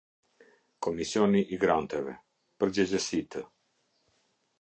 Komisioni i Granteve: Përgjegjësitë.